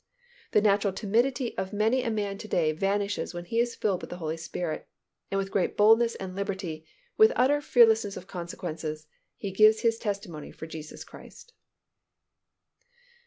The natural timidity of many a man to day vanishes when he is filled with the Holy Spirit, and with great boldness and liberty, with utter fearlessness of consequences, he gives his testimony for Jesus Christ.